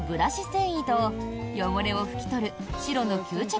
繊維と汚れを拭き取る白の吸着